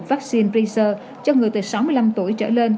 vaccine presser cho người từ sáu mươi năm tuổi trở lên